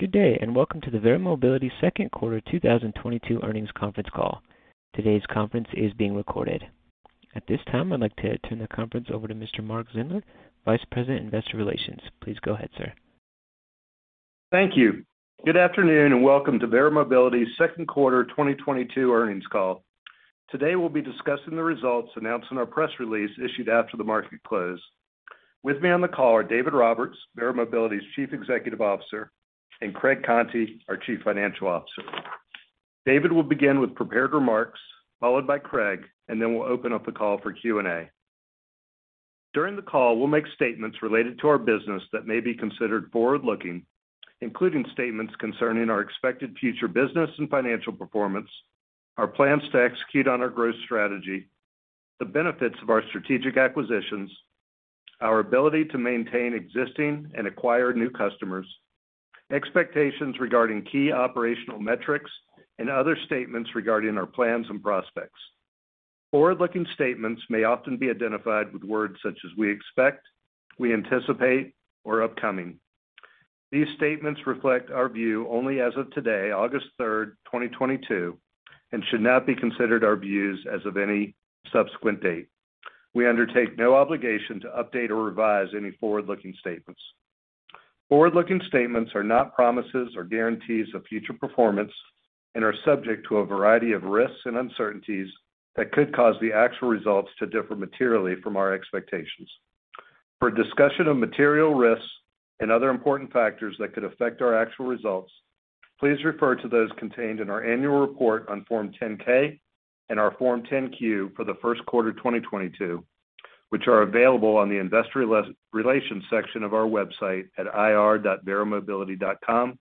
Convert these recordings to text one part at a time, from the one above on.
Good day, and welcome to the Verra Mobility second quarter 2022 earnings conference call. Today's conference is being recorded. At this time, I'd like to turn the conference over to Mr. Mark Zindler, Vice President, Investor Relations. Please go ahead, sir. Thank you. Good afternoon, and welcome to Verra Mobility's second quarter 2022 earnings call. Today, we'll be discussing the results announced in our press release issued after the market closed. With me on the call are David Roberts, Verra Mobility's Chief Executive Officer, and Craig Conti, our Chief Financial Officer. David will begin with prepared remarks, followed by Craig, and then we'll open up the call for Q&A. During the call, we'll make statements related to our business that may be considered forward-looking, including statements concerning our expected future business and financial performance, our plans to execute on our growth strategy, the benefits of our strategic acquisitions, our ability to maintain existing and acquire new customers, expectations regarding key operational metrics, and other statements regarding our plans and prospects. Forward-looking statements may often be identified with words such as we expect, we anticipate, or upcoming. These statements reflect our view only as of today, August 3, 2022, and should not be considered our views as of any subsequent date. We undertake no obligation to update or revise any forward-looking statements. Forward-looking statements are not promises or guarantees of future performance and are subject to a variety of risks and uncertainties that could cause the actual results to differ materially from our expectations. For a discussion of material risks and other important factors that could affect our actual results, please refer to those contained in our annual report on Form 10-K and our Form 10-Q for the first quarter 2022, which are available on the investor relations section of our website at ir.verramobility.com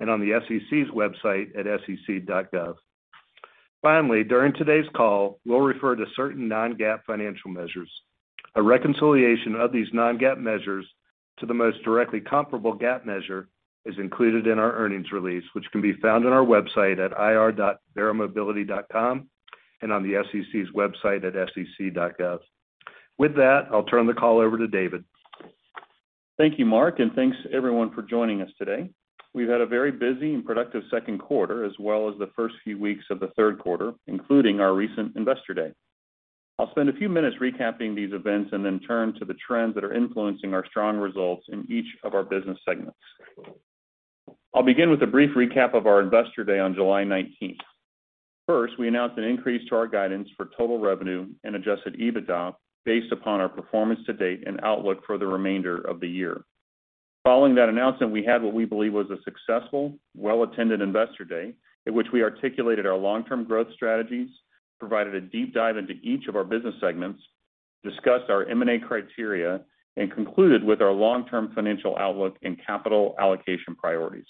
and on the SEC's website at sec.gov. Finally, during today's call, we'll refer to certain non-GAAP financial measures. A reconciliation of these non-GAAP measures to the most directly comparable GAAP measure is included in our earnings release, which can be found on our website at ir.verramobility.com and on the SEC's website at sec.gov. With that, I'll turn the call over to David. Thank you, Mark, and thanks everyone for joining us today. We've had a very busy and productive second quarter, as well as the first few weeks of the third quarter, including our recent Investor Day. I'll spend a few minutes recapping these events and then turn to the trends that are influencing our strong results in each of our business segments. I'll begin with a brief recap of our Investor Day on July 19th. First, we announced an increase to our guidance for total revenue and adjusted EBITDA based upon our performance to date and outlook for the remainder of the year. Following that announcement, we had what we believe was a successful, well-attended Investor Day, in which we articulated our long-term growth strategies, provided a deep dive into each of our business segments, discussed our M&A criteria, and concluded with our long-term financial outlook and capital allocation priorities.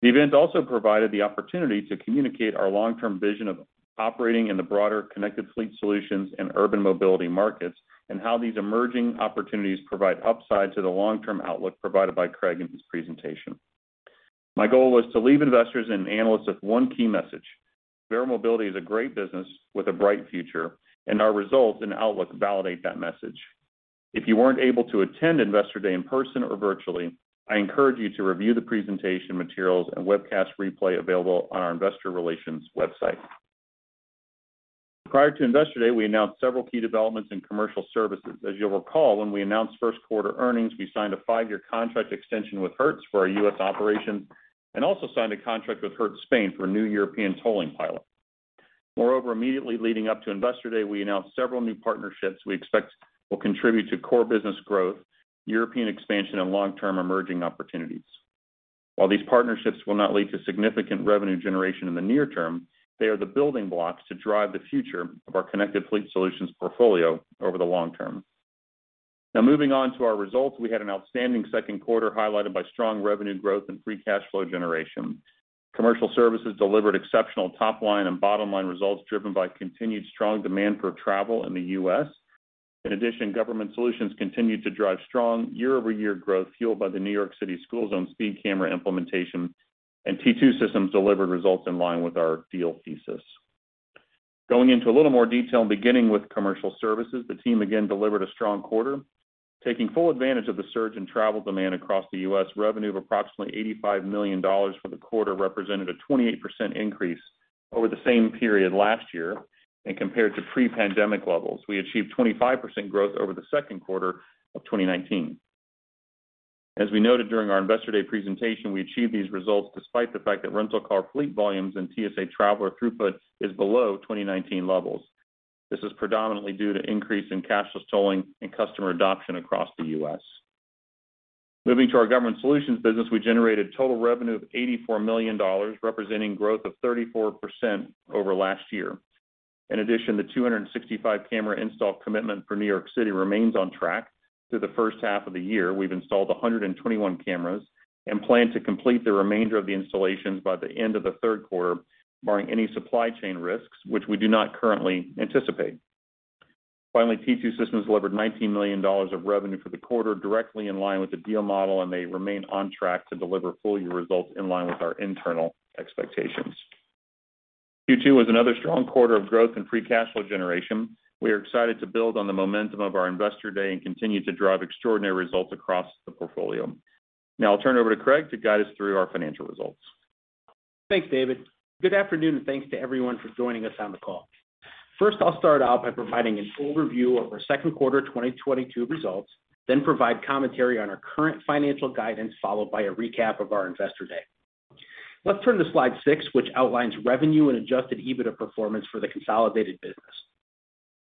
The event also provided the opportunity to communicate our long-term vision of operating in the broader connected fleet solutions and urban mobility markets and how these emerging opportunities provide upside to the long-term outlook provided by Craig in his presentation. My goal was to leave investors and analysts with one key message: Verra Mobility is a great business with a bright future, and our results and outlook validate that message. If you weren't able to attend Investor Day in person or virtually, I encourage you to review the presentation materials and webcast replay available on our investor relations website. Prior to Investor Day, we announced several key developments in Commercial Services. As you'll recall, when we announced first quarter earnings, we signed a five-year contract extension with Hertz for our U.S. operations and also signed a contract with Hertz Spain for a new European tolling pilot. Moreover, immediately leading up to Investor Day, we announced several new partnerships we expect will contribute to core business growth, European expansion, and long-term emerging opportunities. While these partnerships will not lead to significant revenue generation in the near-term, they are the building blocks to drive the future of our connected fleet solutions portfolio over the long-term. Now moving on to our results. We had an outstanding second quarter, highlighted by strong revenue growth and free cash flow generation. Commercial Services delivered exceptional top-line and bottom-line results, driven by continued strong demand for travel in the U.S. In addition, Government Solutions continued to drive strong year-over-year growth, fueled by the New York City school zone speed camera implementation, and T2 Systems delivered results in line with our deal thesis. Going into a little more detail, beginning with Commercial Services, the team again delivered a strong quarter. Taking full advantage of the surge in travel demand across the U.S., revenue of approximately $85 million for the quarter represented a 28% increase over the same period last year and compared to pre-pandemic levels. We achieved 25% growth over the second quarter of 2019. As we noted during our Investor Day presentation, we achieved these results despite the fact that rental car fleet volumes and TSA traveler throughput is below 2019 levels. This is predominantly due to increase in cashless tolling and customer adoption across the U.S. Moving to our Government Solutions business, we generated total revenue of $84 million, representing growth of 34% over last year. In addition, the 265 camera install commitment for New York City remains on track. Through the first half of the year, we've installed 121 cameras and plan to complete the remainder of the installations by the end of the third quarter, barring any supply chain risks, which we do not currently anticipate. Finally, T2 Systems delivered $19 million of revenue for the quarter, directly in line with the deal model, and they remain on track to deliver full year results in line with our internal expectations. Q2 was another strong quarter of growth in free cash flow generation. We are excited to build on the momentum of our Investor Day and continue to drive extraordinary results across the portfolio. Now I'll turn it over to Craig to guide us through our financial results. Thanks, David. Good afternoon, and thanks to everyone for joining us on the call. First, I'll start out by providing an overview of our second quarter 2022 results, then provide commentary on our current financial guidance, followed by a recap of our Investor Day. Let's turn to slide six, which outlines revenue and adjusted EBITDA performance for the consolidated business.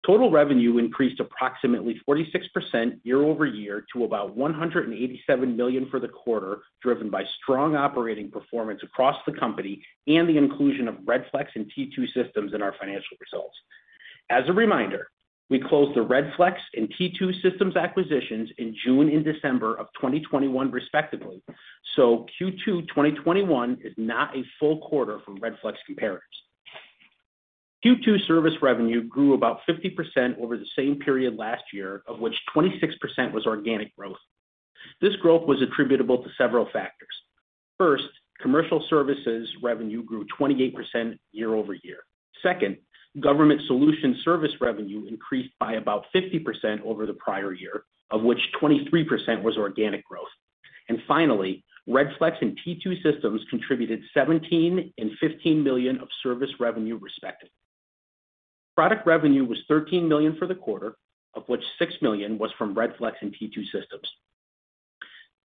Total revenue increased approximately 46% year-over-year to about $187 million for the quarter, driven by strong operating performance across the company and the inclusion of Redflex and T2 Systems in our financial results. As a reminder, we closed the Redflex and T2 Systems acquisitions in June and December of 2021 respectively, so Q2 2021 is not a full quarter for Redflex comparators. Q2 service revenue grew about 50% over the same period last year, of which 26% was organic growth. This growth was attributable to several factors. First, Commercial Services revenue grew 28% year-over-year. Second, Government Solutions service revenue increased by about 50% over the prior year, of which 23% was organic growth. Finally, Redflex and T2 Systems contributed $17 million and $15 million of service revenue respectively. Product revenue was $13 million for the quarter, of which $6 million was from Redflex and T2 Systems.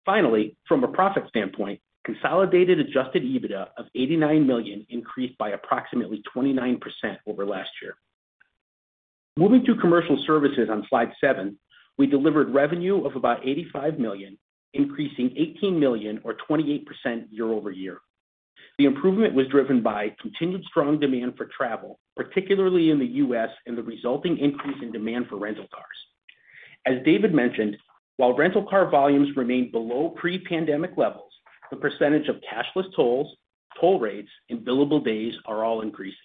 Finally, from a profit standpoint, consolidated adjusted EBITDA of $89 million increased by approximately 29% over last year. Moving to Commercial Services on slide seven, we delivered revenue of about $85 million, increasing $18 million or 28% year-over-year. The improvement was driven by continued strong demand for travel, particularly in the U.S., and the resulting increase in demand for rental cars. As David mentioned, while rental car volumes remained below pre-pandemic levels, the percentage of cashless tolls, toll rates and billable days are all increasing.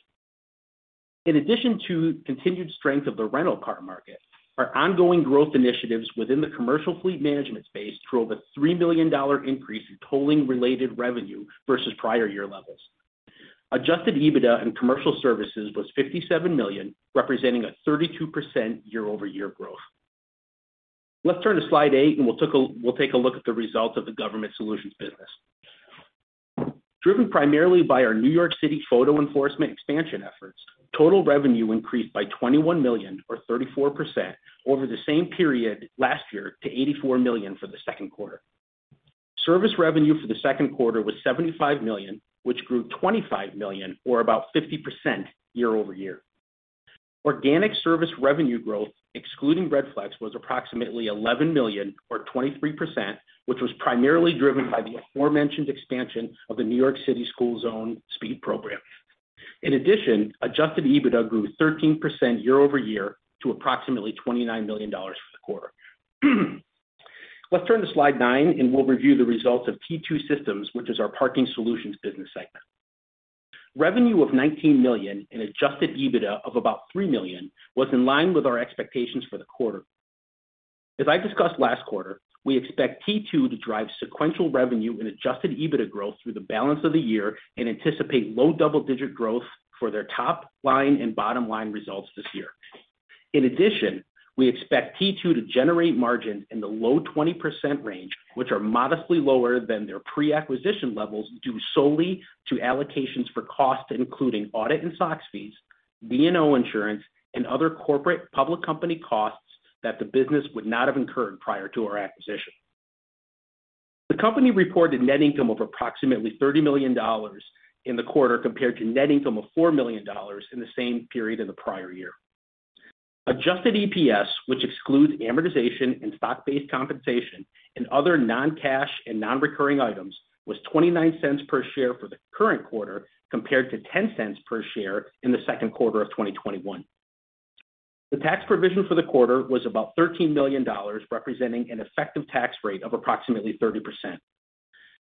In addition to continued strength of the rental car market, our ongoing growth initiatives within the commercial fleet management space drove a $3 million increase in tolling-related revenue versus prior year levels. Adjusted EBITDA in Commercial Services was $57 million, representing a 32% year-over-year growth. Let's turn to slide eight and we'll take a look at the results of the Government Solutions business. Driven primarily by our New York City photo enforcement expansion efforts, total revenue increased by $21 million or 34% over the same period last year to $84 million for the second quarter. Service revenue for the second quarter was $75 million, which grew $25 million or about 50% year-over-year. Organic service revenue growth, excluding Redflex, was approximately $11 million or 23%, which was primarily driven by the aforementioned expansion of the New York City school zone speed program. In addition, adjusted EBITDA grew 13% year-over-year to approximately $29 million for the quarter. Let's turn to slide nine, and we'll review the results of T2 Systems, which is our Parking Solutions business segment. Revenue of $19 million and adjusted EBITDA of about $3 million was in line with our expectations for the quarter. As I discussed last quarter, we expect T2 to drive sequential revenue and adjusted EBITDA growth through the balance of the year and anticipate low double-digit growth for their top line and bottom line results this year. In addition, we expect T2 to generate margins in the low 20% range, which are modestly lower than their pre-acquisition levels, due solely to allocations for costs including audit and SOX fees, D&O insurance, and other corporate public company costs that the business would not have incurred prior to our acquisition. The company reported net income of approximately $30 million in the quarter compared to net income of $4 million in the same period in the prior year. Adjusted EPS, which excludes amortization and stock-based compensation and other non-cash and non-recurring items, was $0.29 per share for the current quarter, compared to $0.10 per share in the second quarter of 2021. The tax provision for the quarter was about $13 million, representing an effective tax rate of approximately 30%.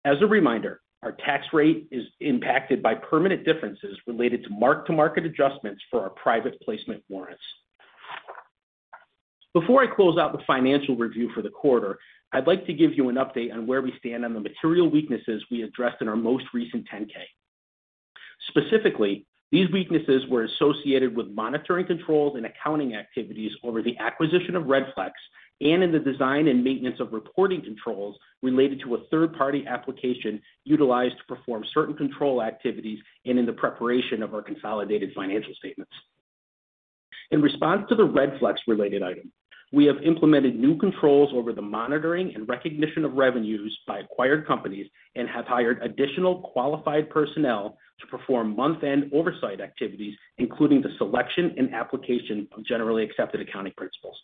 As a reminder, our tax rate is impacted by permanent differences related to mark-to-market adjustments for our private placement warrants. Before I close out the financial review for the quarter, I'd like to give you an update on where we stand on the material weaknesses we addressed in our most recent 10-K. Specifically, these weaknesses were associated with monitoring controls and accounting activities over the acquisition of Redflex and in the design and maintenance of reporting controls related to a third-party application utilized to perform certain control activities and in the preparation of our consolidated financial statements. In response to the Redflex related item, we have implemented new controls over the monitoring and recognition of revenues by acquired companies and have hired additional qualified personnel to perform month-end oversight activities, including the selection and application of Generally Accepted Accounting Principles.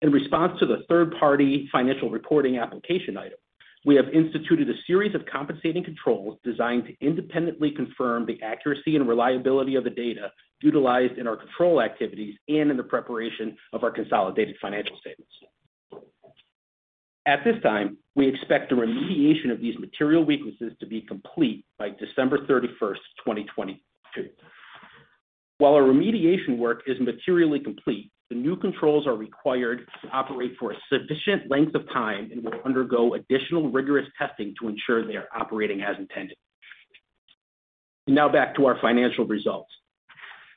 In response to the third-party financial reporting application item, we have instituted a series of compensating controls designed to independently confirm the accuracy and reliability of the data utilized in our control activities and in the preparation of our consolidated financial statements. At this time, we expect the remediation of these material weaknesses to be complete by December 31, 2022. While our remediation work is materially complete, the new controls are required to operate for a sufficient length of time and will undergo additional rigorous testing to ensure they are operating as intended. Now back to our financial results.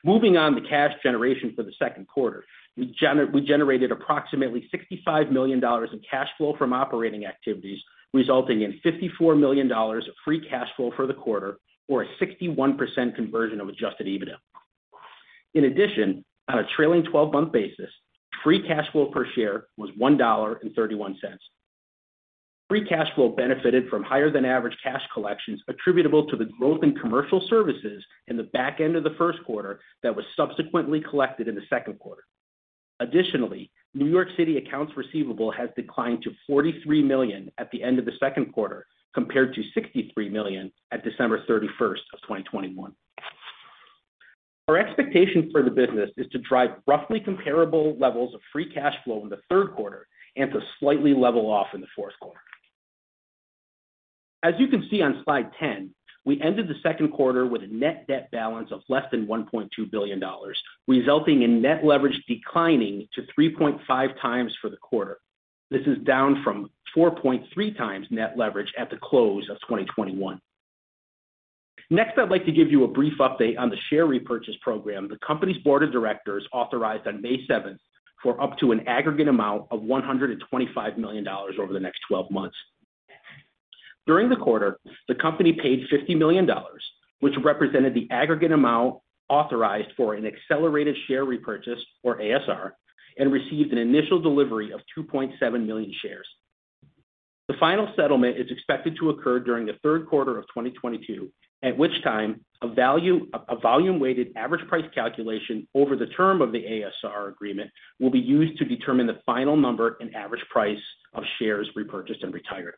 Moving on to cash generation for the second quarter. We generated approximately $65 million in cash flow from operating activities, resulting in $54 million of free cash flow for the quarter, or a 61% conversion of adjusted EBITDA. In addition, on a trailing 12-month basis, free cash flow per share was $1.31. Free cash flow benefited from higher than average cash collections attributable to the growth in Commercial Services in the back end of the first quarter that was subsequently collected in the second quarter. Additionally, New York City accounts receivable has declined to $43 million at the end of the second quarter, compared to $63 million at December 31, 2021. Our expectation for the business is to drive roughly comparable levels of free cash flow in the third quarter and to slightly level off in the fourth quarter. As you can see on slide 10, we ended the second quarter with a net debt balance of less than $1.2 billion, resulting in net leverage declining to 3.5x for the quarter. This is down from 4.3x net leverage at the close of 2021. Next, I'd like to give you a brief update on the share repurchase program the company's Board of Directors authorized on May 7 for up to an aggregate amount of $125 million over the next 12 months. During the quarter, the company paid $50 million, which represented the aggregate amount authorized for an accelerated share repurchase or ASR, and received an initial delivery of 2.7 million shares. The final settlement is expected to occur during the third quarter of 2022, at which time a volume weighted average price calculation over the term of the ASR agreement will be used to determine the final number and average price of shares repurchased and retired.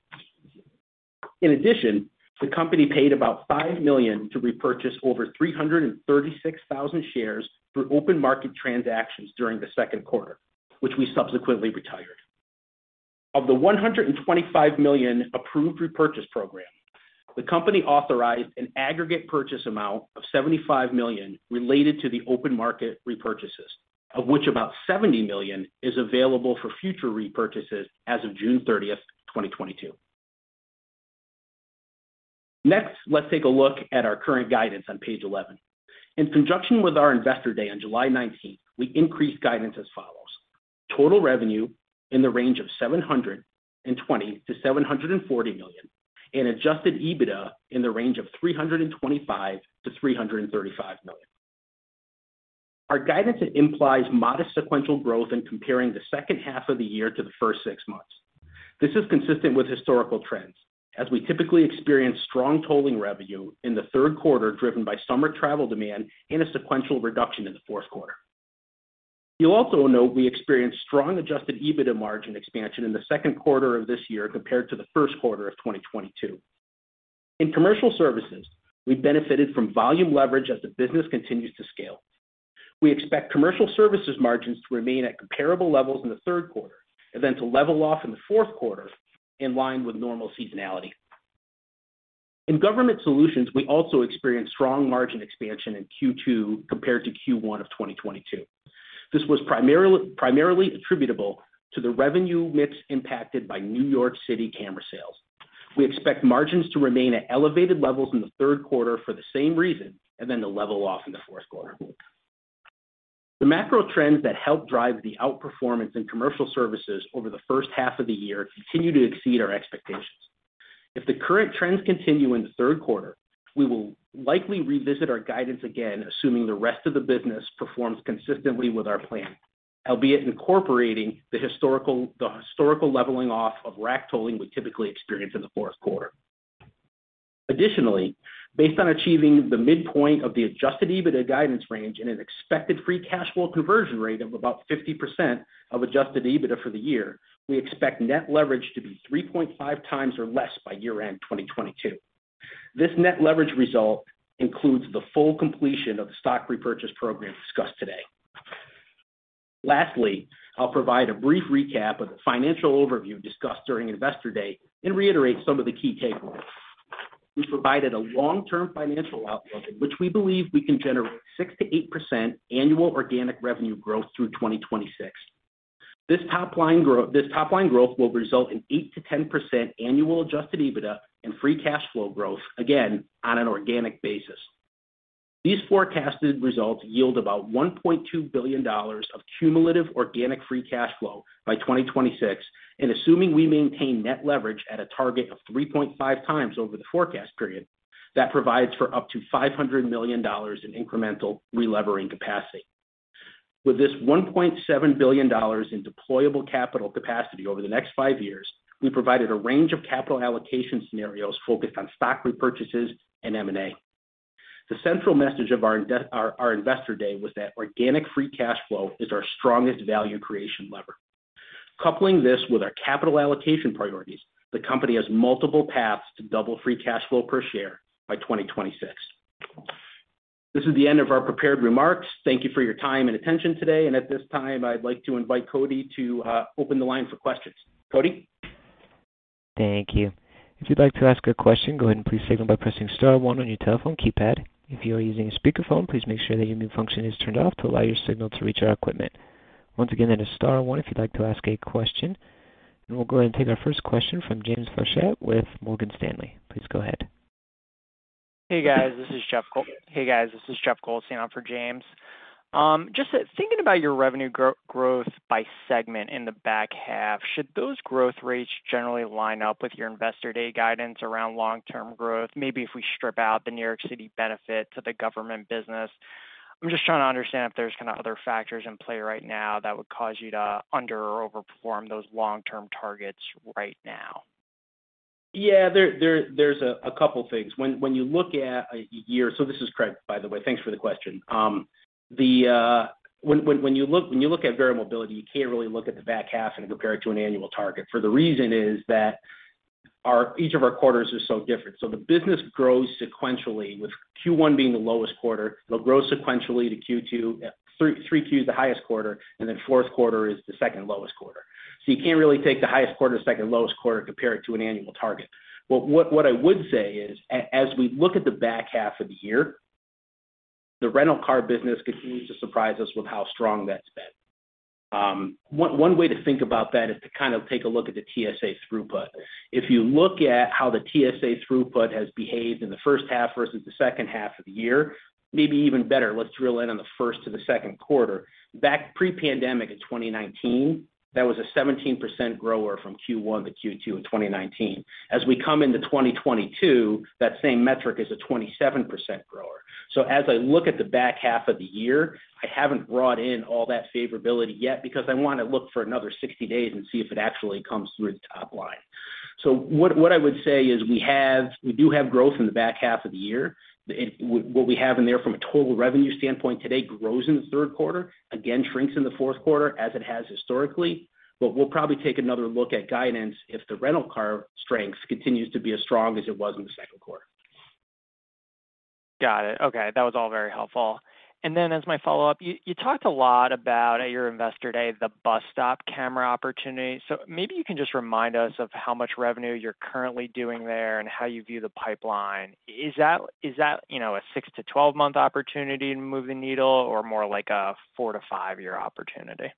In addition, the company paid about $5 million to repurchase over 336,000 shares through open market transactions during the second quarter, which we subsequently retired. Of the $125 million approved repurchase program, the company authorized an aggregate purchase amount of $75 million related to the open market repurchases, of which about $70 million is available for future repurchases as of June 30, 2022. Next, let's take a look at our current guidance on page 11. In conjunction with our Investor Day on July 19, we increased guidance as follows. Total revenue in the range of $720 million-$740 million, and adjusted EBITDA in the range of $325 million-$335 million. Our guidance implies modest sequential growth in comparing the second half of the year to the first six months. This is consistent with historical trends, as we typically experience strong tolling revenue in the third quarter, driven by summer travel demand and a sequential reduction in the fourth quarter. You'll also note we experienced strong adjusted EBITDA margin expansion in the second quarter of this year compared to the first quarter of 2022. In Commercial Services, we benefited from volume leverage as the business continues to scale. We expect Commercial Services margins to remain at comparable levels in the third quarter and then to level off in the fourth quarter in line with normal seasonality. In Government Solutions, we also experienced strong margin expansion in Q2 compared to Q1 of 2022. This was primarily attributable to the revenue mix impacted by New York City camera sales. We expect margins to remain at elevated levels in the third quarter for the same reason and then to level off in the fourth quarter. The macro trends that help drive the outperformance in Commercial Services over the first half of the year continue to exceed our expectations. If the current trends continue in the third quarter, we will likely revisit our guidance again, assuming the rest of the business performs consistently with our plan, albeit incorporating the historical leveling off of RAC tolling we typically experience in the fourth quarter. Additionally, based on achieving the midpoint of the adjusted EBITDA guidance range and an expected free cash flow conversion rate of about 50% of adjusted EBITDA for the year, we expect net leverage to be 3.5x or less by year-end 2022. This net leverage result includes the full completion of the stock repurchase program discussed today. Lastly, I'll provide a brief recap of the financial overview discussed during Investor Day and reiterate some of the key takeaways. We provided a long-term financial outlook in which we believe we can generate 6%-8% annual organic revenue growth through 2026. This top line growth will result in 8%-10% annual adjusted EBITDA and free cash flow growth, again on an organic basis. These forecasted results yield about $1.2 billion of cumulative organic free cash flow by 2026, and assuming we maintain net leverage at a target of 3.5x over the forecast period, that provides for up to $500 million in incremental relevering capacity. With this $1.7 billion in deployable capital capacity over the next five years, we provided a range of capital allocation scenarios focused on stock repurchases and M&A. The central message of our Investor Day was that organic free cash flow is our strongest value creation lever. Coupling this with our capital allocation priorities, the company has multiple paths to double free cash flow per share by 2026. This is the end of our prepared remarks. Thank you for your time and attention today. At this time, I'd like to invite Cody to open the line for questions. Cody? Thank you. If you'd like to ask a question, go ahead and please signal by pressing star one on your telephone keypad. If you are using a speakerphone, please make sure that your mute function is turned off to allow your signal to reach our equipment. Once again, that is star one if you'd like to ask a question. We'll go ahead and take our first question from James Faucette with Morgan Stanley. Please go ahead. Hey, guys. This is Jeff Goldstein on for James. Just thinking about your revenue growth by segment in the back half, should those growth rates generally line up with your Investor Day guidance around long-term growth? Maybe if we strip out the New York City benefit to the government business. I'm just trying to understand if there's kind of other factors in play right now that would cause you to under or overperform those long-term targets right now. Yeah. There's a couple things. When you look at a year. This is Craig, by the way. Thanks for the question. When you look at Verra Mobility, you can't really look at the back half and compare it to an annual target, for the reason is that each of our quarters are so different. The business grows sequentially with Q1 being the lowest quarter. It'll grow sequentially to Q2. 3Q is the highest quarter, and then fourth quarter is the second lowest quarter. You can't really take the highest quarter, second lowest quarter, compare it to an annual target. What I would say is, as we look at the back half of the year, the rental car business continues to surprise us with how strong that's been. One way to think about that is to kind of take a look at the TSA throughput. If you look at how the TSA throughput has behaved in the first half versus the second half of the year, maybe even better, let's drill in on the first to the second quarter. Back pre-pandemic in 2019, that was a 17% growth from Q1 to Q2 in 2019. As we come into 2022, that same metric is a 27% growth. As I look at the back half of the year, I haven't brought in all that favorability yet because I wanna look for another 60 days and see if it actually comes through the top line. What I would say is we do have growth in the back half of the year. What we have in there from a total revenue standpoint today grows in the third quarter. Again, shrinks in the fourth quarter as it has historically, but we'll probably take another look at guidance if the rental car strength continues to be as strong as it was in the second quarter. Got it. Okay. That was all very helpful. As my follow-up, you talked a lot about at your Investor Day, the bus stop camera opportunity. Maybe you can just remind us of how much revenue you're currently doing there and how you view the pipeline. Is that, you know, a six to 12-month opportunity to move the needle or more like a four to five-year opportunity?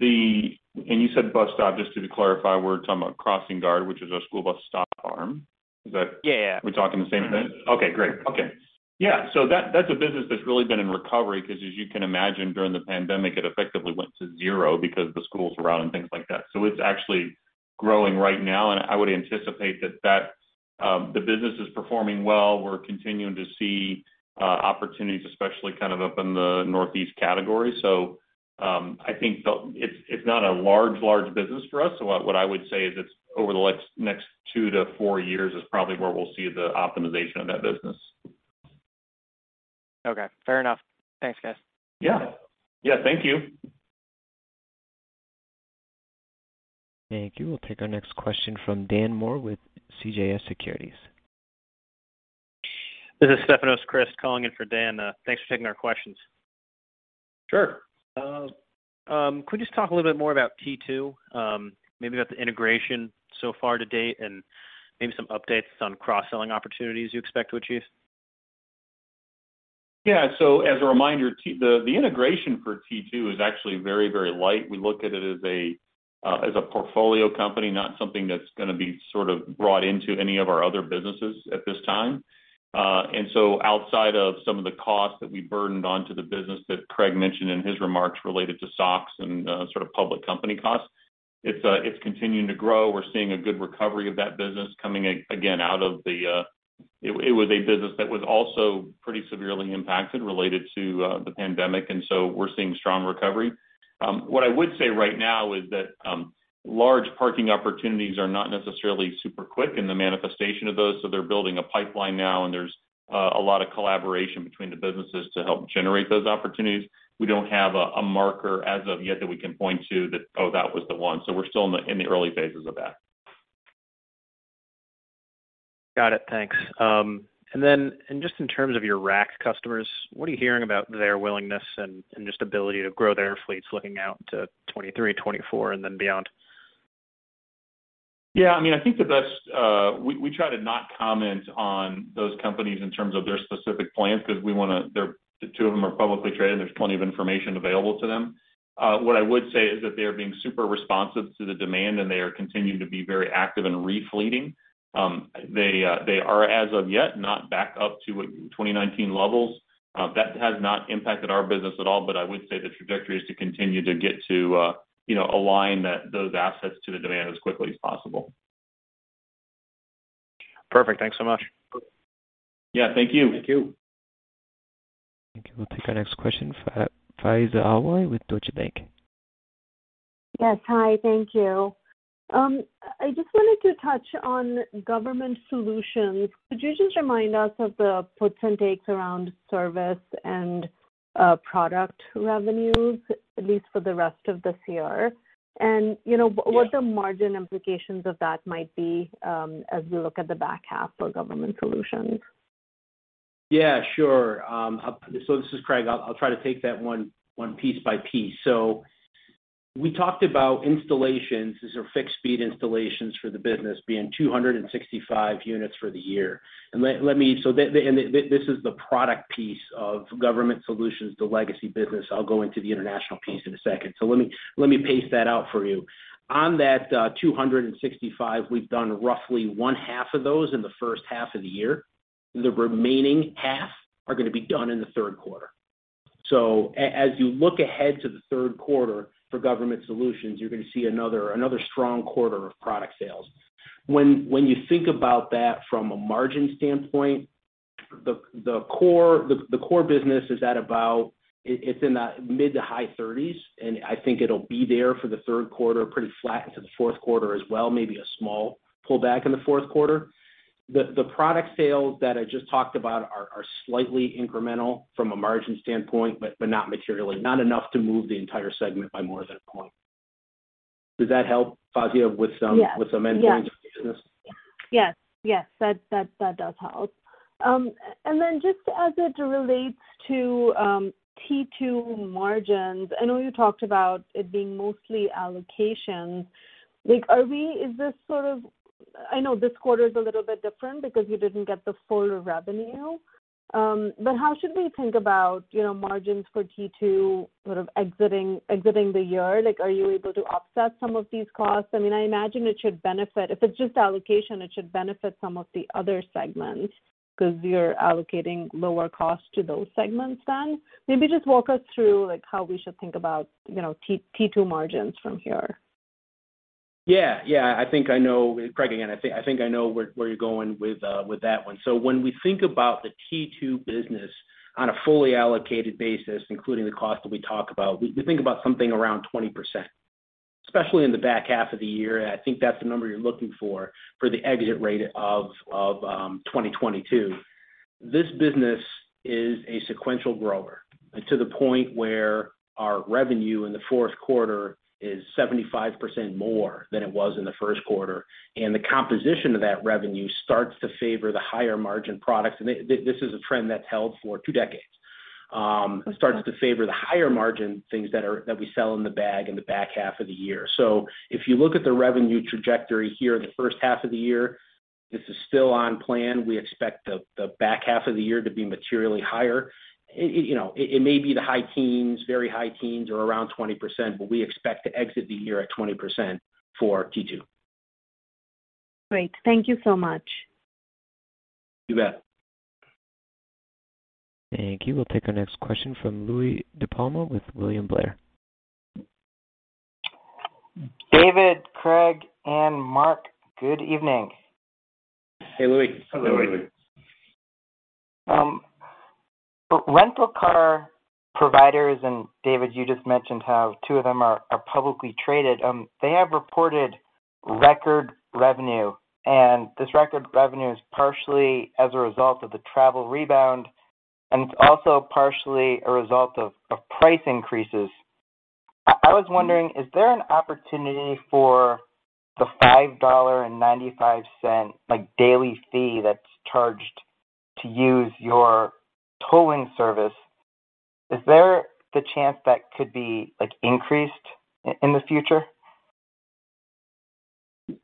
You said bus stop. Just to clarify, we're talking about CrossingGuard, which is our school bus stop arm. Is that? Yeah, yeah. We're talking the same thing? Okay, great. Okay. Yeah. That, that's a business that's really been in recovery because as you can imagine, during the pandemic, it effectively went to zero because the schools were out and things like that. It's actually growing right now, and I would anticipate that the business is performing well. We're continuing to see opportunities, especially kind of up in the Northeast category. I think it's not a large business for us. What I would say is it's over the next two to four years is probably where we'll see the optimization of that business. Okay, fair enough. Thanks, guys. Yeah. Yeah, thank you. Thank you. We'll take our next question from Dan Moore with CJS Securities. This is Stefanos Crist calling in for Dan. Thanks for taking our questions. Sure. Could you just talk a little bit more about T2, maybe about the integration so far to date and maybe some updates on cross-selling opportunities you expect to achieve? Yeah. As a reminder, the integration for T2 is actually very, very light. We look at it as a, as a portfolio company, not something that's gonna be sort of brought into any of our other businesses at this time. Outside of some of the costs that we burdened onto the business that Craig mentioned in his remarks related to SOX and, sort of public company costs, it's continuing to grow. We're seeing a good recovery of that business coming again out of the. It was a business that was also pretty severely impacted related to the pandemic, and we're seeing strong recovery. What I would say right now is that large parking opportunities are not necessarily super quick in the manifestation of those, so they're building a pipeline now, and there's a lot of collaboration between the businesses to help generate those opportunities. We don't have a marker as of yet that we can point to, that that was the one. We're still in the early phases of that. Got it. Thanks. And just in terms of your RAC customers, what are you hearing about their willingness and just ability to grow their fleets looking out to 2023, 2024, and then beyond? Yeah. I mean, I think the best we try to not comment on those companies in terms of their specific plans because they're the two of them are publicly traded. There's plenty of information available to them. What I would say is that they are being super responsive to the demand, and they are continuing to be very active in refleeting. They are as of yet not back up to 2019 levels. That has not impacted our business at all, but I would say the trajectory is to continue to get to you know align those assets to the demand as quickly as possible. Perfect. Thanks so much. Yeah, thank you. Thank you. We'll take our next question, Faiza Alwy with Deutsche Bank. Yes. Hi, thank you. I just wanted to touch on Government Solutions. Could you just remind us of the puts and takes around service and product revenues, at least for the rest of the CR? And, you know, what the margin implications of that might be, as we look at the back half for Government Solutions? Yeah, sure. So this is Craig. I'll try to take that one piece by piece. We talked about installations. These are fixed fee installations for the business being 265 units for the year. This is the product piece of Government Solutions, the legacy business. I'll go into the international piece in a second. Let me pace that out for you. On that, 265, we've done roughly one half of those in the first half of the year. The remaining half are gonna be done in the third quarter. As you look ahead to the third quarter for Government Solutions, you're gonna see another strong quarter of product sales. When you think about that from a margin standpoint, the core business is at about. It's in the mid to high 30s percent, and I think it'll be there for the third quarter, pretty flat into the fourth quarter as well, maybe a small pullback in the fourth quarter. The product sales that I just talked about are slightly incremental from a margin standpoint, but not materially. Not enough to move the entire segment by more than a point. Does that help, Faiza, with some entry into the business? Yes. That does help. Just as it relates to T2 margins, I know you talked about it being mostly allocation. Like, is this sort of I know this quarter is a little bit different because you didn't get the full revenue, but how should we think about, you know, margins for T2 sort of exiting the year? Like, are you able to offset some of these costs? I mean, I imagine it should benefit. If it's just allocation, it should benefit some of the other segments because you're allocating lower costs to those segments then. Maybe just walk us through, like, how we should think about, you know, T2 margins from here. I think I know, Craig. I think I know where you're going with that one. When we think about the T2 business on a fully allocated basis, including the cost that we talk about, we think about something around 20%, especially in the back half of the year. I think that's the number you're looking for for the exit rate of 2022. This business is a sequential grower to the point where our revenue in the fourth quarter is 75% more than it was in the first quarter, and the composition of that revenue starts to favor the higher margin products. This is a trend that's held for two decades. It starts to favor the higher margin things that we sell in the back half of the year. If you look at the revenue trajectory here, the first half of the year, this is still on plan. We expect the back half of the year to be materially higher. It, you know, it may be the high teens, very high teens or around 20%, but we expect to exit the year at 20% for T2. Great. Thank you so much. You bet. Thank you. We'll take our next question from Louie DiPalma with William Blair. David, Craig and Mark, good evening. Hey, Louie. Hey, Louie. Rental car providers, and David, you just mentioned how two of them are publicly traded. They have reported record revenue, and this record revenue is partially as a result of the travel rebound, and it's also partially a result of price increases. I was wondering, is there an opportunity for the $5.95, like, daily fee that's charged to use your tolling service? Is there the chance that could be, like, increased in the future?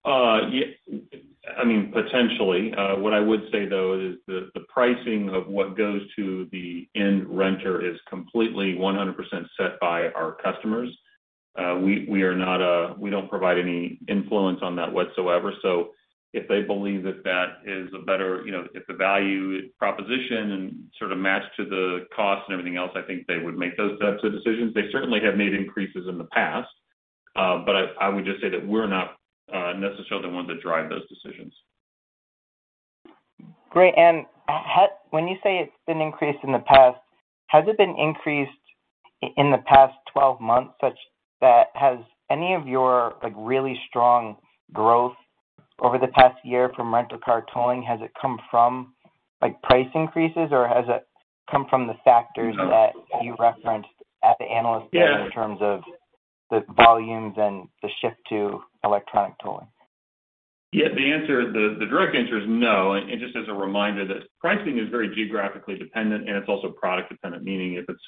I mean, potentially. What I would say, though, is the pricing of what goes to the end renter is completely 100% set by our customers. We don't provide any influence on that whatsoever. If they believe that that is a better, you know, if the value proposition and sort of match to the cost and everything else, I think they would make those types of decisions. They certainly have made increases in the past. I would just say that we're not necessarily the ones that drive those decisions. Great. When you say it's been increased in the past, has it been increased in the past 12 months, such that has any of your, like, really strong growth over the past year from rental car tolling, has it come from, like, price increases, or has it come from the factors that you referenced at the Analyst Day in terms of the volumes and the shift to electronic tolling? Yeah. The answer, the direct answer is no. Just as a reminder that pricing is very geographically dependent, and it's also product dependent, meaning if it's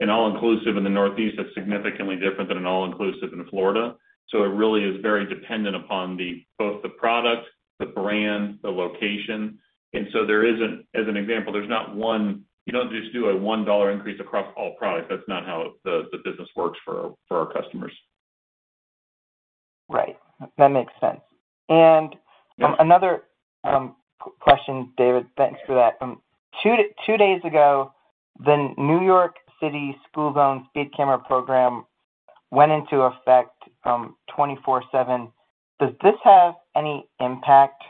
an all-inclusive in the Northeast, that's significantly different than an all-inclusive in Florida. It really is very dependent upon both the product, the brand, the location. There isn't, as an example, there's not one. You don't just do a $1 increase across all products. That's not how the business works for our customers. Right. That makes sense. Another question, David. Thanks for that. Two days ago, the New York City school zone speed camera program went into effect, 24/7. Does this have any impact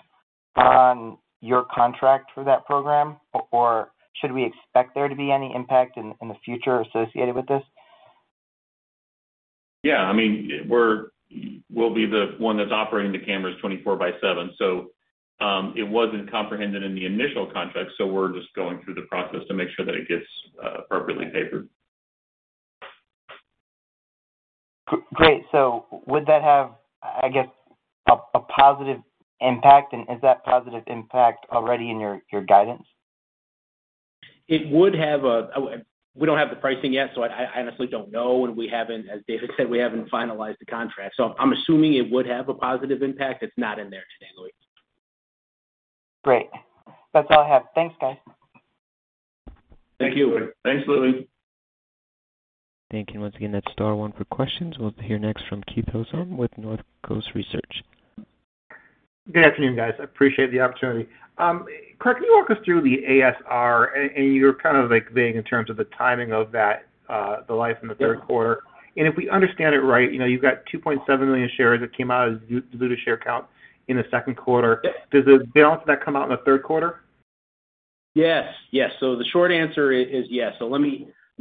on your contract for that program, or should we expect there to be any impact in the future associated with this? Yeah. I mean, we'll be the one that's operating the cameras 24/7. It wasn't comprehended in the initial contract, so we're just going through the process to make sure that it gets appropriately favored. Great. Would that have, I guess, a positive impact? Is that positive impact already in your guidance? It would have. We don't have the pricing yet, so I honestly don't know. We haven't, as David said, we haven't finalized the contract. I'm assuming it would have a positive impact. It's not in there today, Louie. Great. That's all I have. Thanks, guys. Thank you. Thanks, Louie. Thank you. Once again, that's star one for questions. We'll hear next from Keith Housum with Northcoast Research. Good afternoon, guys. I appreciate the opportunity. Craig, can you walk us through the ASR? You're kind of like being in terms of the timing of that, the lift in the third quarter. If we understand it right, you know, you've got 2.7 million shares that came out of the total share count in the second quarter. Does the balance of that come out in the third quarter? Yes. The short answer is yes. Let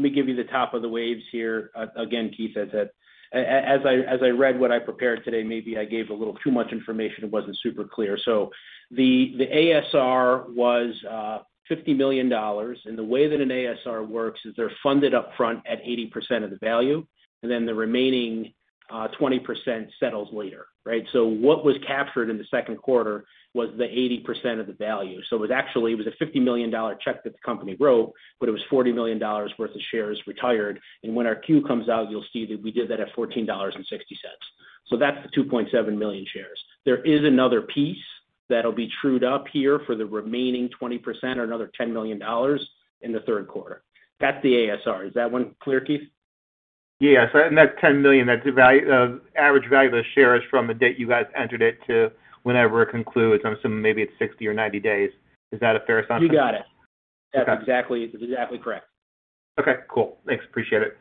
me give you the top of the waves here again, Keith, as I read what I prepared today, maybe I gave a little too much information. It wasn't super clear. The ASR was $50 million, and the way that an ASR works is they're funded up front at 80% of the value, and then the remaining 20% settles later, right? What was captured in the second quarter was the 80% of the value. It was actually a $50 million check that the company wrote, but it was $40 million worth of shares retired. When our Q comes out, you'll see that we did that at $14.60. That's the 2.7 million shares. There is another piece that'll be trued up here for the remaining 20% or another $10 million in the third quarter. That's the ASR. Is that one clear, Keith? Yes. That $10 million, that's the average value of the shares from the date you guys entered it to whenever it concludes. I'm assuming maybe it's 60 or 90 days. Is that a fair assumption? You got it. That's exactly correct. Okay, cool. Thanks. Appreciate it.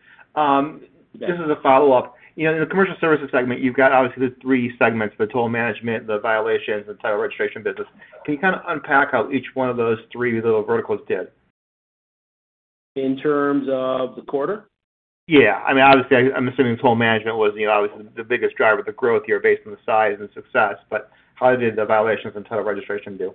This is a follow-up. You know, in the Commercial Services segment, you've got obviously the three segments, the toll management, the violations, the title registration business. Can you kinda unpack how each one of those three little verticals did? In terms of the quarter? Yeah. I mean, obviously, I'm assuming toll management was, you know, obviously the biggest driver of the growth here based on the size and success. How did the violations and title registration do?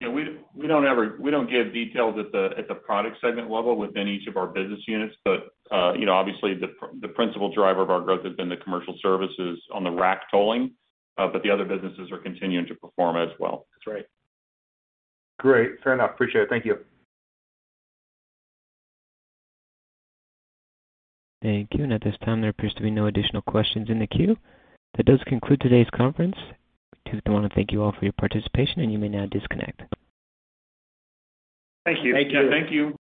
You know, we don't give details at the product segment level within each of our business units. You know, obviously the principal driver of our growth has been the Commercial Services on the RAC tolling, but the other businesses are continuing to perform as well. That's right. Great. Fair enough. Appreciate it. Thank you. Thank you. At this time, there appears to be no additional questions in the queue. That does conclude today's conference. Just wanna thank you all for your participation, and you may now disconnect. Thank you. Thank you.